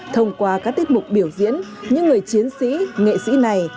thông qua các tiết mục biểu diễn những người chiến sĩ nghệ sĩ này